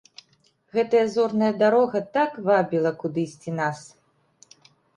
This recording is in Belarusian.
Гэтая зорная дарога так вабіла кудысьці нас!